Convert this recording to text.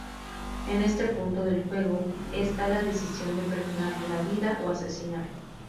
En este punto del juego está la decisión de perdonarle la vida o asesinarlo.